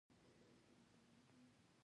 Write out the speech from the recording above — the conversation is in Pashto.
د انګلیسیانو کمپنۍ له تهدید څخه بېغمه شول.